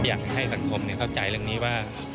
อยากให้สังคมเข้าใจเรื่องนี้ว่า